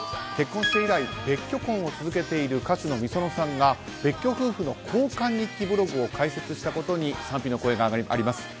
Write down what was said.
結婚して以来別居婚を続けている歌手のｍｉｓｏｎｏさんが別居夫婦の交換日記ブログを開設したことに賛否の声があります。